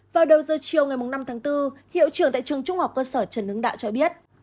vào đầu giờ chiều ngày năm tháng bốn hiệu trưởng tại trường trung học cơ sở trần hưng đạo cho biết